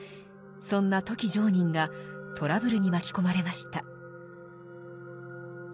そんな富木常忍がトラブルに巻き込まれました。